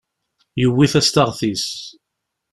Yuwi tastaɣt-is.